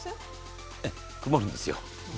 曇るんですよ。